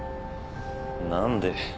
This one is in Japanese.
何で。